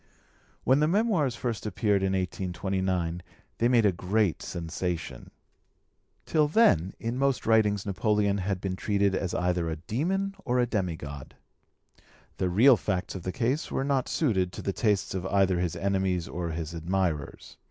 When the Memoirs first appeared in 1829 they made a great sensation. Till then in most writings Napoleon had been treated as either a demon or as a demi god. The real facts of the case were not suited to the tastes of either his enemies or his admirers.